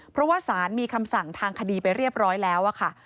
เพราะว่าสารมีคำสั่งทางคดีไปเรียบร้อยแล้วค่ะ